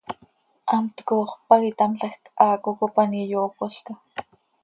Hamt cooxp pac itámlajc, haaco cop an iyoocmolca.